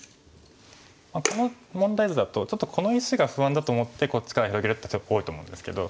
この問題図だとちょっとこの石が不安だと思ってこっちから広げるって多いと思うんですけど。